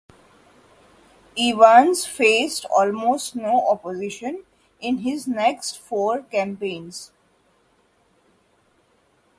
Evans faced almost no opposition in his next four campaigns.